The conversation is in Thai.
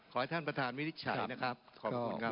ขอให้ท่านประธานวินิจฉัยนะครับขอบคุณครับ